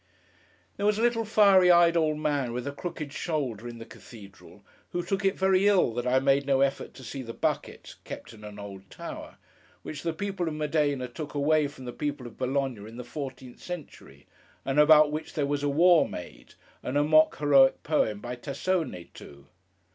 There was a little fiery eyed old man with a crooked shoulder, in the cathedral, who took it very ill that I made no effort to see the bucket (kept in an old tower) which the people of Modena took away from the people of Bologna in the fourteenth century, and about which there was war made and a mock heroic poem by TASSONE, too.